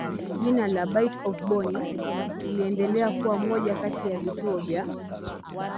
jina la Bight of Bonny iliendelea kuwa moja kati ya vituo vya